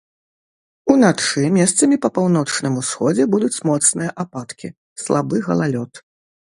Уначы месцамі па паўночным усходзе будуць моцныя ападкі, слабы галалёд.